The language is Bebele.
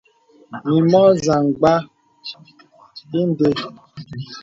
Mì mɔ̄ zàmgbā ìndē.